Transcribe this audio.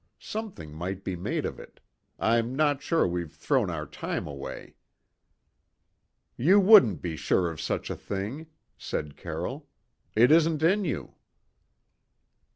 Something might be made of it; I'm not sure we've thrown our time away." "You wouldn't be sure of such a thing," said Carroll. "It isn't in you."